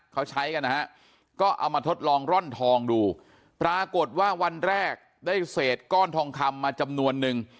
เขาใช้กันนะฮะก็เอามาทดลองร่อนทองดูปรากฏว่าวันแรกได้เศษก้อนทองคำมาจำนวนนึง